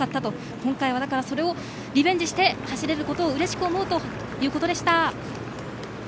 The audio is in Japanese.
今回はリベンジして走れることをうれしく思うということでした。